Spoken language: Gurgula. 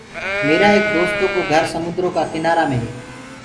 ميرآ ايڪ دوستو ڪو گھر سموندرو ڪآ ڪِنآرآ مي هي۔